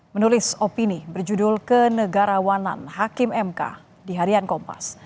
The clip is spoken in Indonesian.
menulis opini berjudul kenegarawanan hakim mk di harian kompas